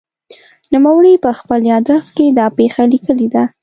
نوموړي په خپل یادښت کې دا پېښه لیکلې ده.